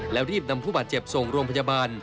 แล้วรีบนำผู้บาดเจ็บส่งโรงพยาบาล